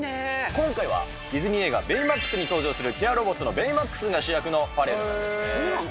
今回はディズニー映画、ベイマックスに登場するロボットのベイマックスが主役のパレーそうなの？